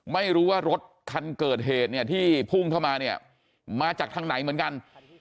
ไม่รู้ว่ารถคันเกิดเหตุเนี่ยที่พุ่งเข้ามาเนี่ยมาจากทางไหนเหมือนกัน